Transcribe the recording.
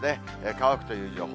乾くという情報。